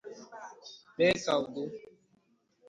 kpee ka udo